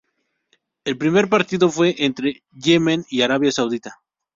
El primer partido fue entre Yemen y Arabia Saudita.